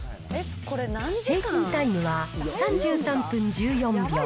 平均タイムは３３分１４秒。